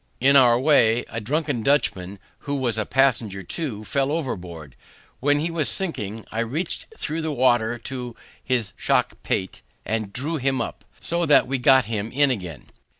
In our way, a drunken Dutchman, who was a passenger too, fell overboard; when he was sinking, I reached through the water to his shock pate, and drew him up, so that we got him in again.